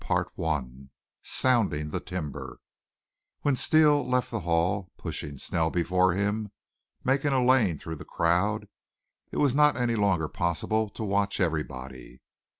Chapter 3 SOUNDING THE TIMBER When Steele left the hall, pushing Snell before him, making a lane through the crowd, it was not any longer possible to watch everybody.